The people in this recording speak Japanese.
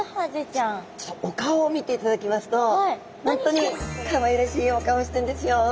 お顔を見ていただきますと本当にかわいらしいお顔してんですよ。